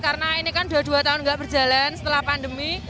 karena ini kan dua dua tahun nggak berjalan setelah pandemi